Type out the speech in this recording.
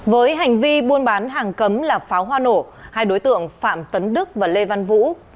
với hành vi buôn bán hàng cấm là pháo hoa nổ hai đối tượng phạm tấn đức và lê văn vũ